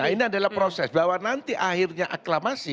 nah ini adalah proses bahwa nanti akhirnya aklamasi